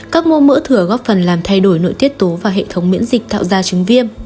các mô mỡ thừa góp phần làm thay đổi nội tiết tố và hệ thống miễn dịch tạo ra chứng viêm